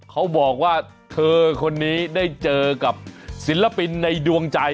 เขาบอกว่าเธอคนนี้ได้เจอกับศิลปินในดวงใจ